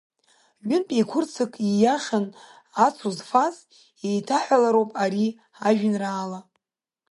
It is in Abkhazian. Ҩынтә еиқәрццак ииашан ацу зфаз, еиҭеиҳәалароуп ари ажәеинраала.